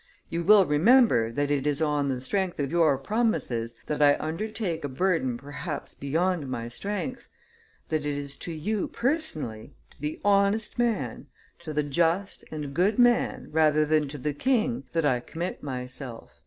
... You will remember that it is on the strength of your promises that I undertake a burden perhaps beyond my strength; that it is to you personally, to the honest man, to the just and good man, rather than to the king, that I commit myself."